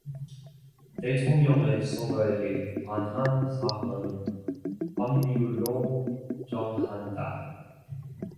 대통령의 선거에 관한 사항은 법률로 정한다.